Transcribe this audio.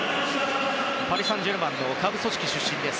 パリ・サンジェルマンの下部組織出身です。